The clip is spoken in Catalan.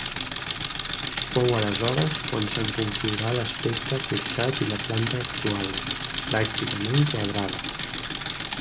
Fou aleshores quan se'n configurà l'aspecte porxat i la planta actual, pràcticament quadrada.